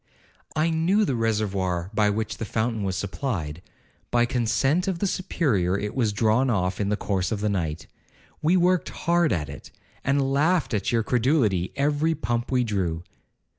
'I knew the reservoir by which the fountain was supplied—by consent of the Superior it was drawn off in the course of the night. We worked hard at it, and laughed at your credulity every pump we drew.'